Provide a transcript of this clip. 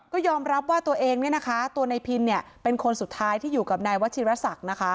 ก็ยอมรับว่าตัวเองตัวนายพินเป็นคนสุดท้ายที่อยู่กับนายวชิระศักดิ์